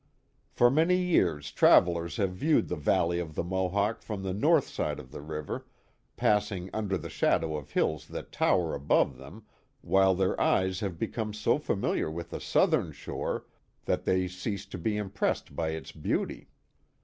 For many years travellers have viewed the valley of the Mohawk from the north side of the river, passing under the shadow of hills that tower above them, while their eyes have become so familiar with the southern shore that they cease to be impressed by its beauty.